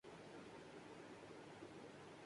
گر وہ بہت زیادہ مایوس